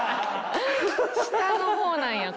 下の方なんや。